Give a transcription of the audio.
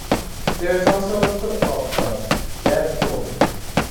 There is also a football club, Dev Doorn.